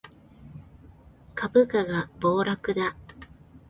株価が暴落だ